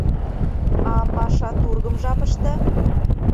А паша тургым жапыште?..